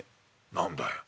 何だよ。